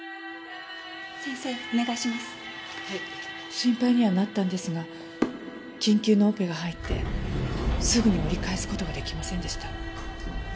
心配にはなったんですが緊急のオペが入ってすぐに折り返す事ができませんでした。